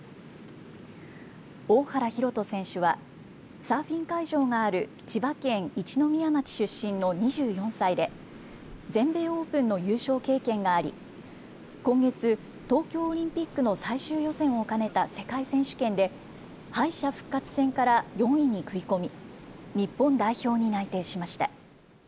大原洋人選手はサーフィン会場がある千葉県一宮町出身の２４歳で全米オープンの優勝経験があり、今月、東京オリンピックの最終予選を兼ねた世界選手権で敗者復活戦から４位に食い込み日本代表に内定しました。